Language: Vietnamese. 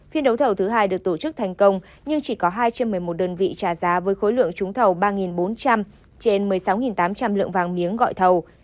phiên đấu thầu thứ hai được tổ chức thành công nhưng chỉ có hai trên một mươi một đơn vị trả giá với khối lượng trúng thầu ba bốn trăm linh trên một mươi sáu tám trăm linh lượng vàng miếng gọi thầu